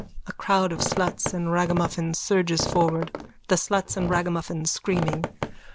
(A crowd of sluts and ragamuffins surges forward.) THE SLUTS AND RAGAMUFFINS: _(Screaming.)